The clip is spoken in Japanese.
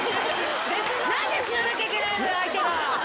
なんで死ななきゃいけないのよ、相手が。